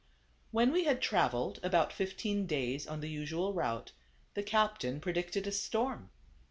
When we had traveled about fifteen days on the usual route, the captain predicted a storm.